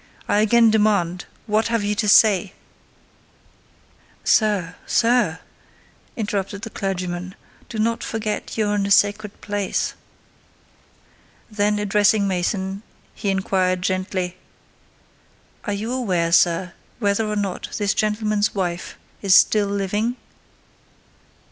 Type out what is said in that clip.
I again demand, what have you to say?" "Sir—sir," interrupted the clergyman, "do not forget you are in a sacred place." Then addressing Mason, he inquired gently, "Are you aware, sir, whether or not this gentleman's wife is still living?"